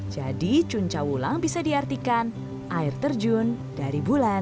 jadi cuncah wulang bisa diartikan air terjun dari bulan